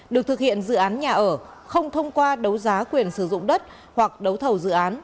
được thực hiện dự án nhà ở không thông qua đấu giá quyền sử dụng đất hoặc đấu thầu dự án